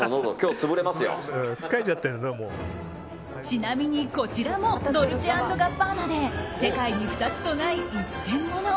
ちなみに、こちらもドルチェ＆ガッバーナで世界に２つとない一点物。